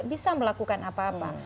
bisa melakukan apa apa